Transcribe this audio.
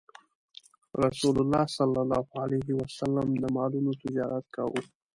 رسول الله ﷺ د مالونو تجارت کاوه.